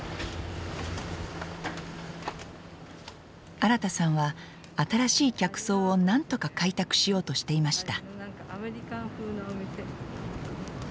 新さんは新しい客層をなんとか開拓しようとしていました。